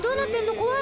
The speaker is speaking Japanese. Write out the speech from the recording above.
怖い。